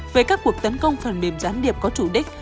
về các cuộc tấn công phần mềm gián điệp có chủ đích